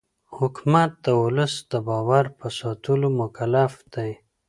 حکومت د ولس د باور په ساتلو مکلف دی